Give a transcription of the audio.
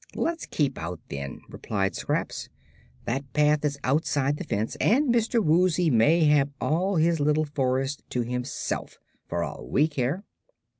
"Let's keep out, then," replied Scraps. "That path is outside the fence, and Mr. Woozy may have all his little forest to himself, for all we care."